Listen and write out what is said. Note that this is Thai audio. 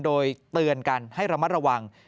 โดยเตือนกันให้ระมัดระวัง